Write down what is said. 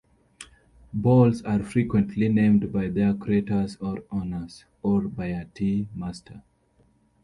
Bowls are frequently named by their creators or owners, or by a tea master.